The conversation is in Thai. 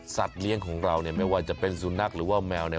สัตว์เลี้ยงของเราเนี่ยไม่ว่าจะเป็นสุนัขหรือว่าแมวเนี่ย